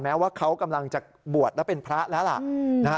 แม้ว่าเขากำลังจะบวชแล้วเป็นพระแล้วล่ะนะฮะ